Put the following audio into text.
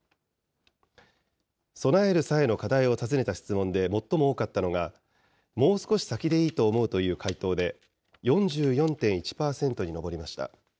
備える際の課題を尋ねた質問で最も多かったのが、もう少し先でいいと思うという回答で、４４．１％に上りました。